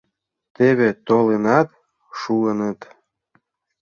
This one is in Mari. Теве толынат шуыныт.